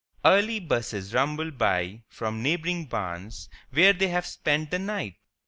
Early 'buses rumble by from neighboring barns where they have spent the night.